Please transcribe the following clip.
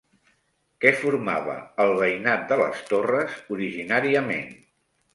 Què formava el veïnat de les Torres originàriament?